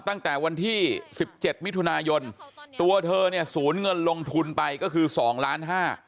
ตั้งแต่วันที่๑๗มิถุนายนตัวเธอเนี่ยสูญเงินลงทุนไปก็คือ๒ล้าน๕